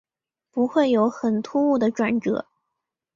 不会有很突兀的转折